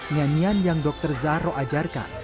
nyanyian yang dokter zahro ajarkan